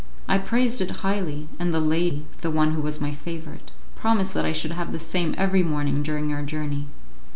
I praised it highly, and the lady, the one who was my favourite, promised that I should have the same every morning during our journey.